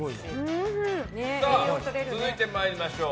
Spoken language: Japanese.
続いて参りましょう。